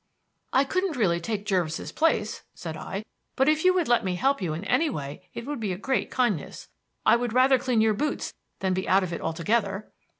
"I couldn't really take Jervis's place," said I, "but if you would let me help you in any way it would be a great kindness. I would rather clean your boots than be out of it altogether."